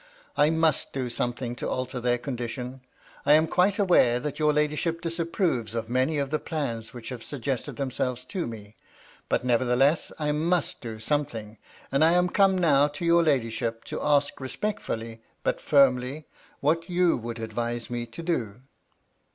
I must do something to alter their condition. I am quite aware that your ladyship disapproves of many of the plans which have suggested themselves to me ; but nevertheless I must do something, and I am come now to your ladyship to ask respectfully, but firmly, what you would advise me to do."